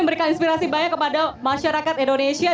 memberikan inspirasi banyak kepada masyarakat indonesia